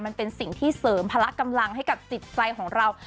มันเป็นสิ่งที่เสริมพละกำลังให้กับจิตใจของเรา